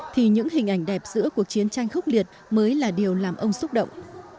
thì những hình ảnh đẹp giữa cuộc chiến tranh khốc liệt mới là điều làm ông xúc động